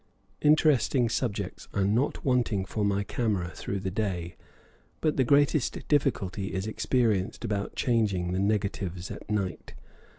Interesting subjects are not wanting for my camera through the day; but the greatest difficulty is experienced about changing the negatives at night.